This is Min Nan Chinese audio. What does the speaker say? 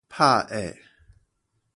拍呃